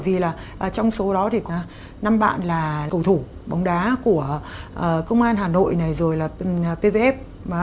vì là trong số đó thì có năm bạn là cầu thủ bóng đá của công an hà nội này rồi là pvf